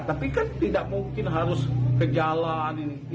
tapi kan tidak mungkin harus ke jalan